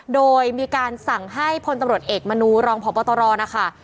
โดยมีการสั่งให้พลตำรวจเอกมนูรองพบตรนะคะ